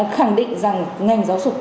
khẳng định rằng ngành giáo dục